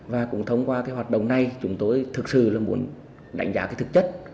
và cũng thông qua cái hoạt động này chúng tôi thực sự là muốn đánh giá cái thực chất